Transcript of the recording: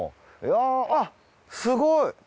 あっすごい。